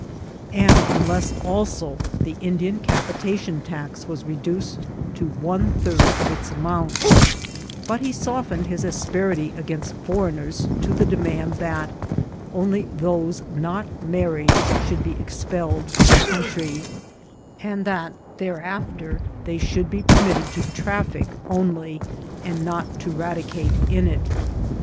SS9 wiA, and unless also the Indian capHation tax was reduced to one third of its amount ; but he softened his asperity against foreigneis to the demand that only those not married should be expelled the coun* try, and that thereafter they should be permitted to traffic <mly, and not to radicate in it.